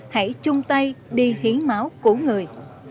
hãy chung tay đi hiến máu của người